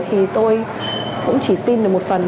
thì tôi cũng chỉ tin được một phần